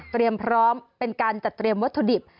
พร้อมเป็นการจัดเตรียมวัตถุดิบ